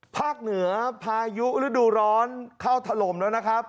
ภาคเหนือพายุฤดูร้อนเข้าถล่มแล้วนะครับ